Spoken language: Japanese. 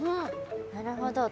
なるほど。